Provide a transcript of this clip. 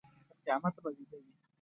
تر قیامته به ویده وي.